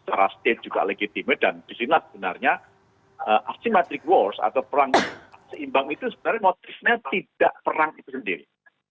secara state juga legitime dan disinat sebenarnya asymmetric war atau perang seimbang itu sebenarnya motifnya tidak perang itu sendiri